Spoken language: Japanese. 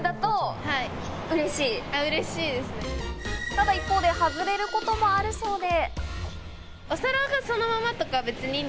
ただ一方で外れることもあるそうで。